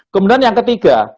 kemudian yang ketiga